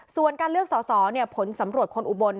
ส่วนการเลือกสอสอผลสำรวจคนอุบล